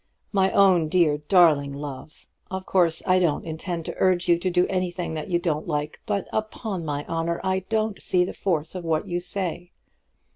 My own dear, darling love, of course I don't intend to urge you to do anything that you don't like; but upon my honour I don't see the force of what you say.